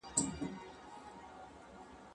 نوم چي مي پر ژبه د قلم پر تخته کښلی دی